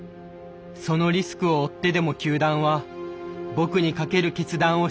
そのリスクを負ってでも球団は僕に賭ける決断をしてくれました。